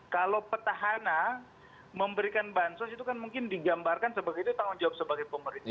kalau petahana memberikan bansos itu kan mungkin digambarkan sebagai tanggung jawab pemerintahan